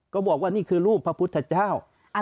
ก็บอกว่านี่คือรูปพระพุทธเจ้า